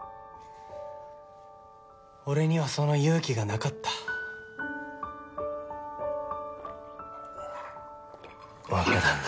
俺にはその勇気がなかった若旦那